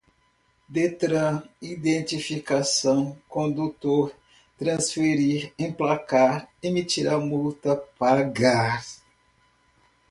detran, identificação, condutor, transferir, emplacar, emitir a multa, pagar